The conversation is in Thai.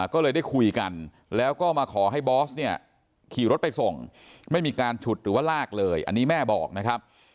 ก็เลยได้คุยกันแล้วก็มาขอให้บอสเนี่ยขี่รถไปส่งไม่มีการฉุดหรือว่าลากเลยอันนี้แม่บอกนะครับ